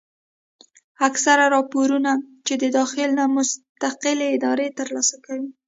اکثره راپورنه چې د داخل نه مستقلې ادارې تر لاسه کوي